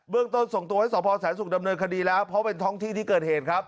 เรื่องต้นส่งตัวให้สพแสนศุกร์ดำเนินคดีแล้วเพราะเป็นท้องที่ที่เกิดเหตุครับ